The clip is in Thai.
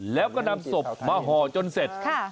แล้วก็นำศพมาห่อจนเสร็จ